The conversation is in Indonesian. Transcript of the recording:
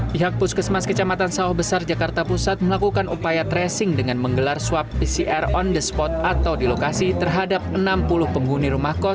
pihak puskesmas kecamatan sawah besar jakarta pusat melakukan upaya tracing dengan menggelar swab pcr on the spot atau di lokasi terhadap enam puluh penghuni rumah kos